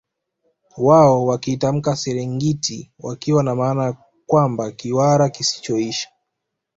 Wao wakiitamka Serengiti wakiwa na maana kwamba Kiwara kisichoisha